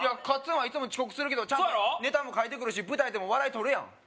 カッツンはいつも遅刻するけどちゃんとネタも書いてくるし舞台でも笑い取るやん